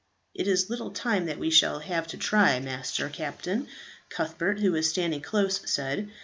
"It is little time that we shall have to try, Master Captain," Cuthbert, who was standing close, said.